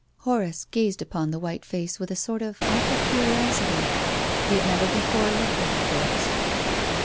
Horace gazed upon the white face with a sort of awful curiosity. He had never before looked at a corpse.